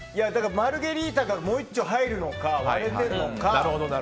マルゲリータがもう一緒入るのか割れてるのか。